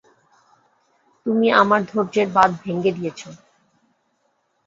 তুমি আমার ধৈর্যের বাধ ভেঙ্গে দিয়েছো।